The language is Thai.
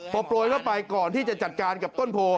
พอโปรยเข้าไปก่อนที่จะจัดการกับต้นโพ